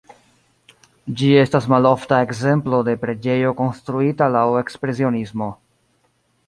Ĝi estas malofta ekzemplo de preĝejo konstruita laŭ ekspresionismo.